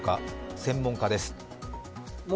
専門家です。